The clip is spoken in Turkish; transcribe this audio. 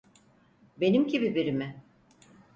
Benim gibi biri mi?